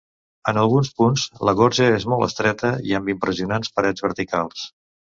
En alguns punts la gorja és molt estreta i amb impressionants parets verticals.